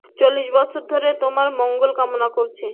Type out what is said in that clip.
চল্লিশ বছর ধরে তোমার মঙ্গল কামনা করছি।